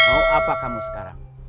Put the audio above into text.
mau apa kamu sekarang